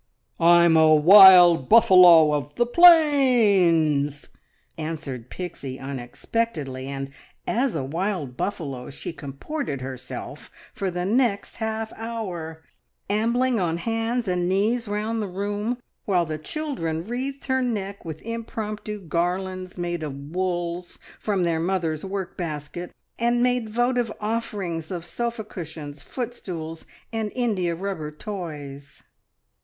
"I'm a wild buffalo of the plains!" answered Pixie unexpectedly, and as a wild buffalo she comported herself for the next half hour, ambling on hands and knees round the room, while the children wreathed her neck with impromptu garlands made of wools from their mother's work basket, and made votive offerings of sofa cushions, footstools, and india rubber toys.